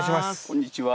こんにちは。